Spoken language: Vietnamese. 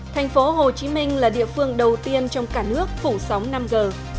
thành phố hồ chí minh là địa phương đầu tiên trong cả nước phủ sóng năm g